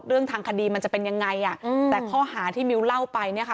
เรื่องทางคดีมันจะเป็นยังไงอ่ะอืมแต่ข้อหาที่มิวเล่าไปเนี่ยค่ะ